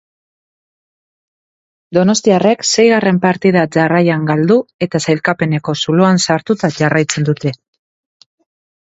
Donostiarrek seigarren partida jarraian galdu eta sailkapeneko zuloan sartuta jaraitzen dute.